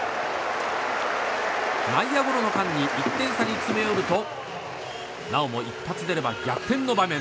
内野ゴロの間に１点差に詰め寄るとなおも一発出れば逆転の場面。